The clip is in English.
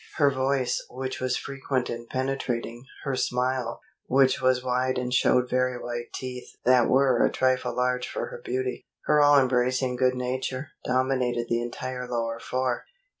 Her voice, which was frequent and penetrating, her smile, which was wide and showed very white teeth that were a trifle large for beauty, her all embracing good nature, dominated the entire lower floor.